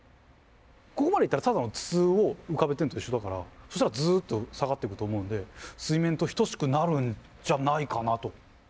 ここまでいったらただの筒を浮かべてるのと一緒だからそしたらずっと下がっていくと思うんで水面と等しくなるんじゃないかなと。